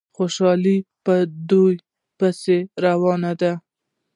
خو خوشحالي په دوی پسې روانه ده.